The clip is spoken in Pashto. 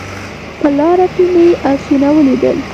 په لاره کې مې اسونه ولیدل